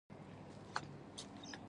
د فرانسوۍ ژبې له لارې ژبو ته راغلې ده.